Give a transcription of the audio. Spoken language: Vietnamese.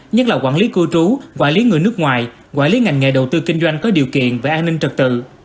nhất là quản lý cư trú quản lý người nước ngoài quản lý ngành nghề đầu tư kinh doanh có điều kiện về an ninh trật tự